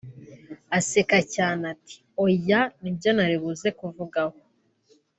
aseka cyane ati “oya Nibyo naribuze kuvugaho